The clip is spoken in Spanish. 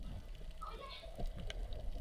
Gradualmente Fionn haces las paces con la pareja.